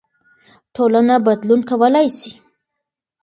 ټولنه بدلون کولای سي.